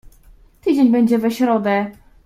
"Tydzień będzie we środę..."